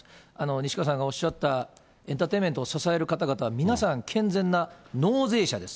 西川さんがおっしゃったエンターテインメントを支える方々、皆さん健全な納税者です。